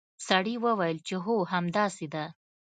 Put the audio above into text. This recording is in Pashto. سړي وویل چې هو همداسې ده.